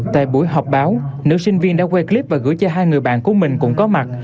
tại buổi họp báo nữ sinh viên đã quay clip và gửi cho hai người bạn của mình cũng có mặt